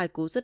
hai cú rứt